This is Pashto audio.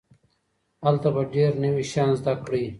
هلته به ډېر نوي شيان زده کړئ.